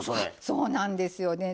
そうなんですよね。